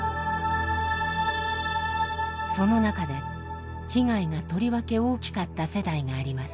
その中で被害がとりわけ大きかった世代があります。